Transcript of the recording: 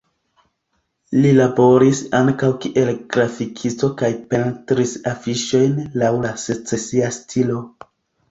Li laboris ankaŭ kiel grafikisto kaj pentris afiŝojn laŭ la secesia stilo.